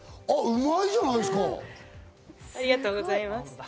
ありがとうございます。